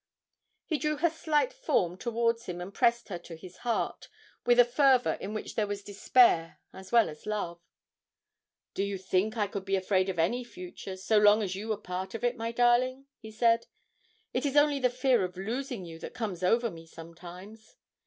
He drew her slight form towards him and pressed her to his heart with a fervour in which there was despair as well as love. 'Do you think I could be afraid of any future, so long as you were part of it, my darling?' he said. 'It is only the fear of losing you that comes over me sometimes!'